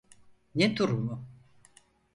Ne durumu?